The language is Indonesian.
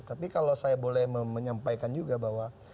tapi kalau saya boleh menyampaikan juga bahwa